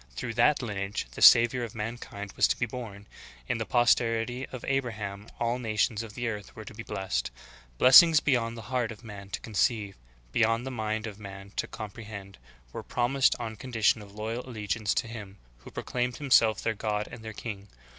Through that lineage the Savior of mankind was to be born; in the posterity of Abraham all nations of the earth were to be blessed. Blessings beyond the heart of man to conceive, beyond the mind of man to compre hend, were promised on condition of loyal allegiance to Him who proclaimed Himself their God and their King.